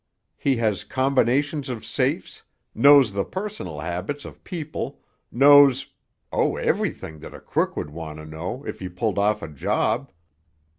He has combinations of safes, knows the personal habits of people, knows—oh, everything that a crook would want to know if he pulled off a job!